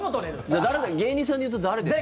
じゃあ、誰か芸人さんでいうと誰ですか？